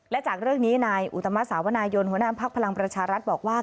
และจากเรื่องนี้นายอุตมะสาวนายนหัวหน้าภักดิ์พลังประชารัฐบอกว่า